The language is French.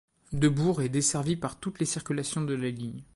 Debourg est desservie par toutes les circulations de la ligne.